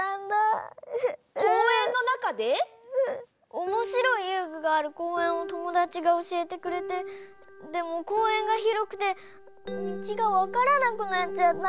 おもしろいゆうぐがあるこうえんをともだちがおしえてくれてでもこうえんがひろくてみちがわからなくなっちゃった。